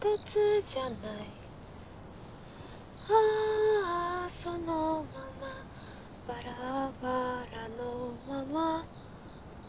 「ああそのままばらばらのまま」